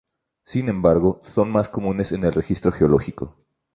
Sin embargo, son más comunes en el registro geológico.